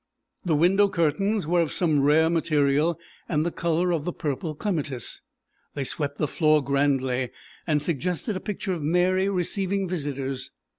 The window curtains were of some rare material and the colour of the purple clematis; they swept the floor grandly and suggested a picture of Mary receiving visitors.